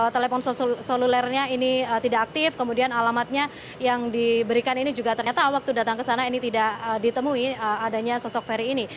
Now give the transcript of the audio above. telepon selulernya ini tidak aktif kemudian alamatnya yang diberikan ini juga ternyata waktu datang ke sana ini tidak ditemui adanya sosok ferry ini